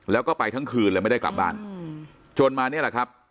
แล้วก็ไปทั้งคืนเลยไม่ได้กลับบ้านจนมานี่แหละครับ